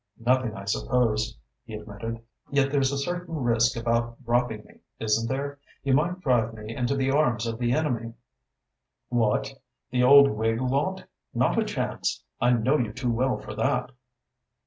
"Nothing, I suppose," he admitted, "yet there's a certain risk about dropping me, isn't there? You might drive me into the arms of the enemy." "What, the old Whig lot? Not a chance! I know you too well for that."